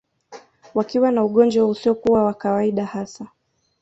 Wakiwa na ugonjwa usiokuwa wa kawaida hasa